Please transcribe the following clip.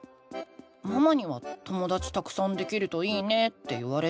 ママには「ともだちたくさんできるといいね」って言われたけど。